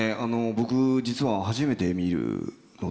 僕実は初めて見るので。